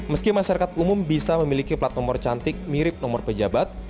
meski masyarakat umum bisa memiliki plat nomor cantik mirip nomor pejabat